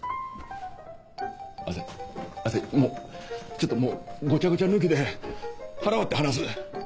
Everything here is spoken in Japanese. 朝陽朝陽もうちょっともうごちゃごちゃ抜きで腹割って話す。